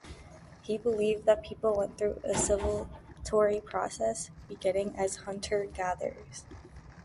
He believed that people went through a "civilizatory process" beginning as hunter-gatherers.